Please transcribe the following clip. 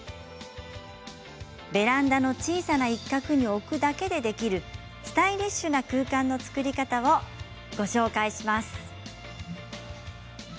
ベランダの小さな一角に置くだけでできるスタイリッシュな空間の作り方をご紹介します。